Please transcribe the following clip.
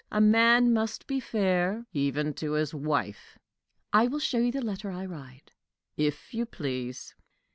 A man must be fair, even to his wife." "I will show you the letter I write." "If you please."